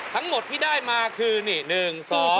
ทั้งหมดที่ได้มาคือนี่๑๒